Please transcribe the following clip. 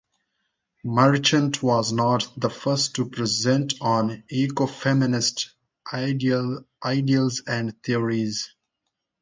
Merchant was not the first to present on ecofeminist ideals and theories.